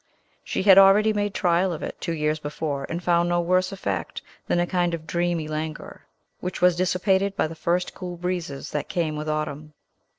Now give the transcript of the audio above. She had already made trial of it, two years before, and found no worse effect than a kind of dreamy languor, which was dissipated by the first cool breezes that came with autumn.